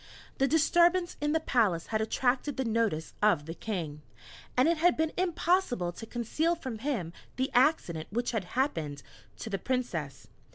The disturbance in the palace had attracted the notice of the King, and it had been impossible to conceal from him the accident which had happened to the Princess.